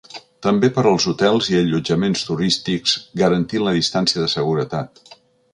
També per als hotels i allotjaments turístics, garantint la distància de seguretat.